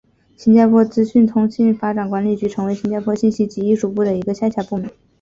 新加坡资讯通信发展管理局成为新加坡信息及艺术部的一个下辖部门。